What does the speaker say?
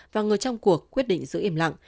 và người trong cuộc quyết định giữ im lặng